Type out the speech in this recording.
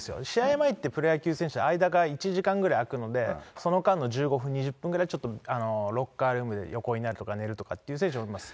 前ってプロ野球選手、間が１時間ぐらい空くので、その間の１５分、２０分ぐらいちょっとロッカールームで横になって寝るとかっていう選手もいます。